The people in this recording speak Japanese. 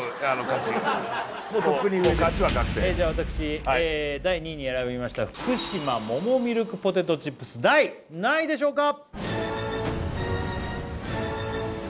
勝ちは確定じゃあ私第２位に選びました福島桃ミルクポテトチップス第何位でしょうか？